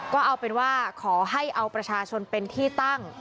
ก็เอาเป็นว่าขอให้เอาประชาชนเป็นที่ตั้ง